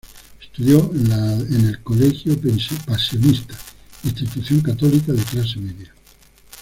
Estudio en la el colegio Pasionista, institución católica de clase media.